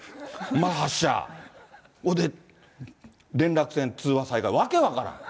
また発射、で、連絡線通話再開、訳分からん。